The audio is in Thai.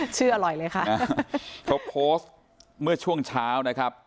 ชื่ออร่อยเลยค่ะเขาโพสต์เมื่อช่วงเช้านะครับ